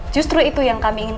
justru itu yang kami ingin